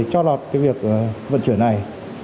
cho lọt cái việc vận chuyển này